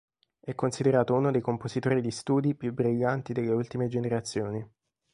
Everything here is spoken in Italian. È considerato uno dei compositori di studi più brillanti delle ultime generazioni.